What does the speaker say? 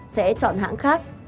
sẽ chọn hãng khác